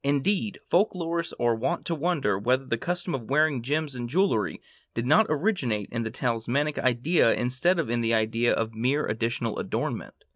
Indeed, folklorists are wont to wonder whether the custom of wearing gems in jewelry did not originate in the talismanic idea instead of in the idea of mere additional adornment.